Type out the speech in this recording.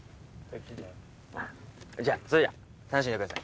じゃあそれじゃあ楽しんでください。